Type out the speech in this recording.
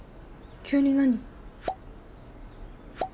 急に何？